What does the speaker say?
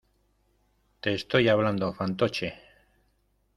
te estoy hablando, fantoche.